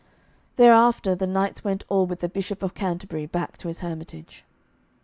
Thereafter the knights went all with the Bishop of Canterbury back to his hermitage.